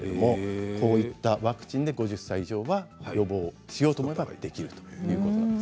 こういったワクチンで５０歳以上は、予防しようと思えばできるということです。